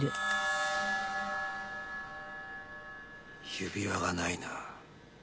指輪がないな。